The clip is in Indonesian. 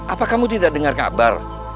apa kamu tidak dengar kabar